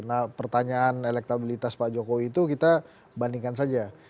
nah pertanyaan elektabilitas pak jokowi itu kita bandingkan saja